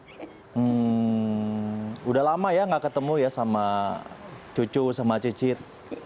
sudah lama ya nggak ketemu ya sama cucu sama cicit